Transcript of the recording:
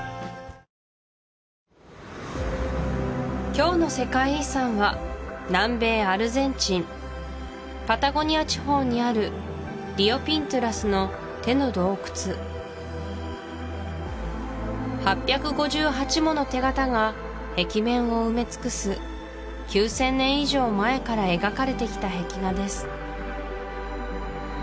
今日の世界遺産は南米アルゼンチンパタゴニア地方にある８５８もの手形が壁面を埋め尽くす９０００年以上前から描かれてきた壁画です